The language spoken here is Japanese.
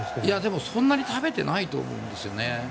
でもそんなに食べてないと思うんですよね。